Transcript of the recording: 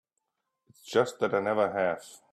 It's just that I never have.